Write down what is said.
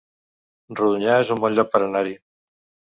Rodonyà es un bon lloc per anar-hi